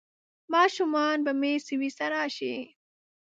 ماشومان به مې سویس ته راشي؟